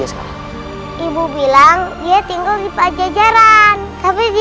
adalah ratus ubang larang